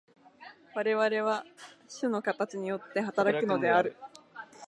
我々は種の形によって働くのである。